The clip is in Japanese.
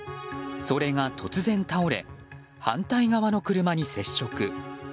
それが突然、倒れ反対側の車に接触。